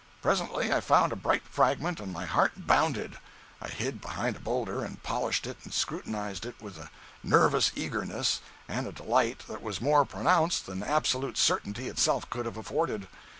Presently I found a bright fragment and my heart bounded! I hid behind a boulder and polished it and scrutinized it with a nervous eagerness and a delight that was more pronounced than absolute certainty itself could have afforded.